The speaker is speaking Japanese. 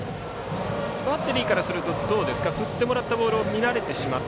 バッテリーからすると振ってしまったボールは見られてしまった。